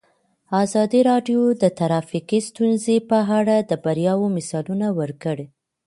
ازادي راډیو د ټرافیکي ستونزې په اړه د بریاوو مثالونه ورکړي.